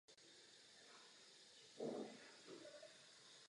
Teroristické hnutí na Blízkém a Středním východu lze rozdělit do dvou hlavních proudů.